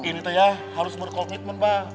gini tuh ya harus berkomitmen bang